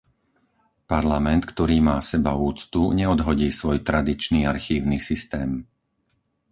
Parlament, ktorý má sebaúctu, neodhodí svoj tradičný archívny systém.